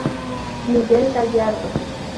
Miguel Gallardo.